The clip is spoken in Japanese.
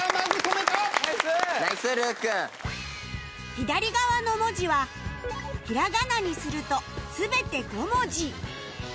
左側の文字はひらがなにすると全て５文字